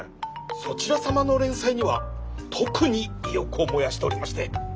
そちら様の連載には特に意欲を燃やしておりまして。